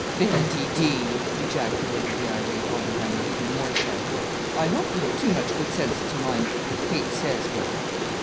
"Fiddlededee!" ejaculated the irate Aunt Hannah, even more sharply. "I hope you have too much good sense to mind what Kate says, Billy."